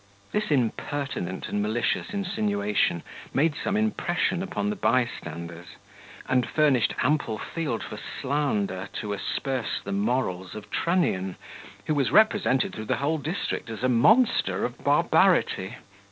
This impertinent and malicious insinuation made some impression upon the bystanders, and furnished ample field for slander to asperse the morals of Trunnion, who was represented through the whole district as a monster of barbarity.